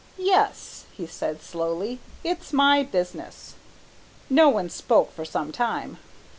"Yes," he said slowly, "it's my business." No one spoke for some time.